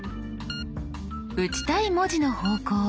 打ちたい文字の方向